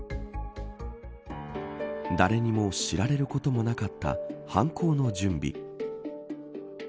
誰にも知られることもなかった犯行の準備。